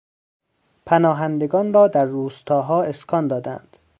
پناهندگان را در روستاها اسکان دادند.